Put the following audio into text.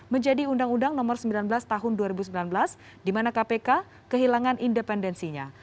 menjadi undang undang nomor sembilan belas tahun dua ribu sembilan belas di mana kpk kehilangan independensinya